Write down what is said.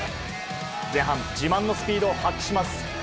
前半、自慢のスピードを発揮します。